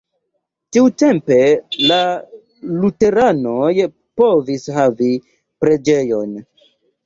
Tiutempe la luteranoj povis havi preĝejon.